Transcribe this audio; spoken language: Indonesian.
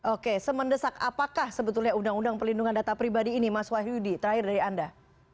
oke semendesak apakah sebetulnya undang undang perlindungan data pribadi ini mas wahyudi terakhir dari anda